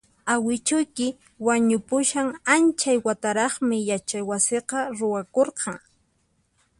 Awichuyki wañupushan anchay wataraqmi yachaywasiqa ruwakurqan